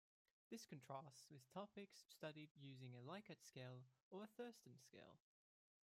This contrasts with topics studied using a Likert scale or a Thurstone scale.